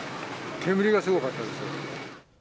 煙がすごかったですよ。